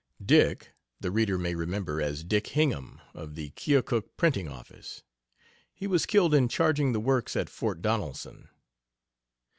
"Dick" the reader may remember as Dick Hingham, of the Keokuk printing office; he was killed in charging the works at Fort Donelson.